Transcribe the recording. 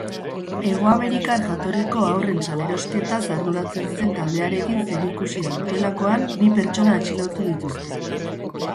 Hegoamerikar jatorriko haurren salerosketaz arduratzen zen taldearekin zerikusia dutelakoan bi pertsona atxilotu dituzte.